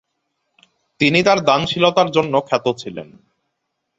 তিনি তার দানশীলতার জন্য খ্যাত ছিলেন।